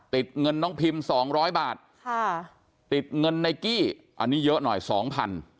ติดเงินน้องพิมพ์๒๐๐บาทติดเงินในกี้อันนี้เยอะหน่อย๒๐๐๐บาท